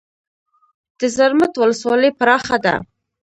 د زرمت ولسوالۍ پراخه ده